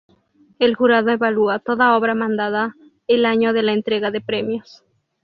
El jurado evalúa toda obra mandada el año de la entrega de premios.